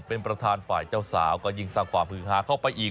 เป็นประธานฝ่ายเจ้าสาวก็ยิ่งสร้างความฮือฮาเข้าไปอีก